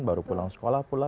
baru pulang sekolah pula